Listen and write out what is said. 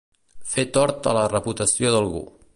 Fer tort a la reputació d'algú.